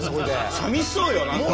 さみしそうよ何か。